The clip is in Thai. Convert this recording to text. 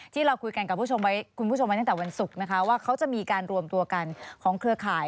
ที่เราคุยกันกับคุณผู้ชมไว้ตั้งแต่วันศุกร์นะคะว่าเขาจะมีการรวมตัวกันของเครือข่าย